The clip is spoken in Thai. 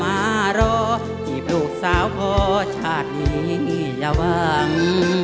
มารอจีบลูกสาวเพราะชาตินี้เยอะว่าง